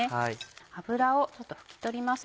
油を拭き取ります